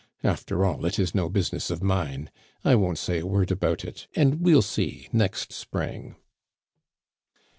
After all, it is no business of mine. I won't say a word about it, and we'll see next spring.'